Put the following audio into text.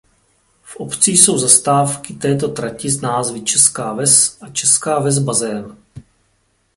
V obci jsou zastávky této trati s názvy „Česká Ves“ a „Česká Ves bazén“.